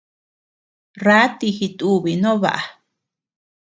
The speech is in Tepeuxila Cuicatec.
Rátii jitubi no baʼa.